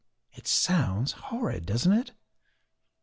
It sounds horrid, doesn't it?"